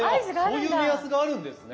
そういう目安があるんですね。